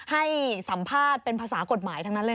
ให้สัมภาษณ์เป็นภาษากฎหมายทั้งนั้นเลย